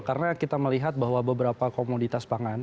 karena kita melihat bahwa beberapa komoditas pangan